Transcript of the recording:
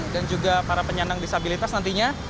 dan juga para penyenang disabilitas nantinya